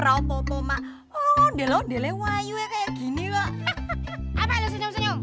apa ella senyum senyum